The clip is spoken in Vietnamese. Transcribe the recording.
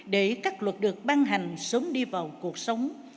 để các luật được ban hành sớm đi vào cuộc sống